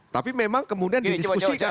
tapi memang kemudian didiskusikan